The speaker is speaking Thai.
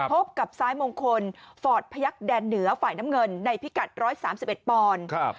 พบกับซ้ายมงคลฟอร์ดพยักษ์แดนเหนือฝ่ายน้ำเงินในพิกัด๑๓๑ปอนด์